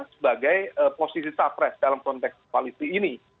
sebagai posisi capres dalam konteks koalisi ini